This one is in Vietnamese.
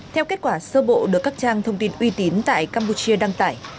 theo kết quả sơ bộ được các trang thông tin uy tín tại campuchia đăng tải